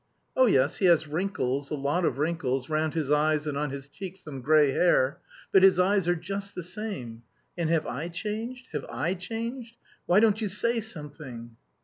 Oh, yes, he has wrinkles, a lot of wrinkles, round his eyes and on his cheeks some grey hair, but his eyes are just the same. And have I changed? Have I changed? Why don't you say something?"